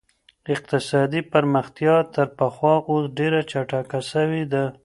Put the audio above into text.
اقتصادي پرمختيا تر پخوا اوس ډېره چټکه سوې ده.